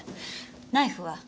ナイフは？